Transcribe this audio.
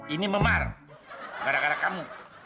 ini memar gara gara kamu